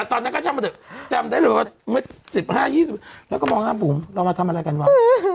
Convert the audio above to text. ตอนเทอดเมตร๑๕๒๐แล้วก็มองร้านกลุ่มเรามาทำอะไรกันวะ